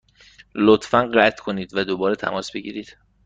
لطفا قطع کنید و دوباره تماس بگیرید.